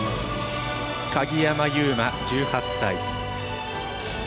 鍵山優真、１８歳。